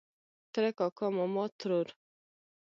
ترۀ کاکا ماما ترور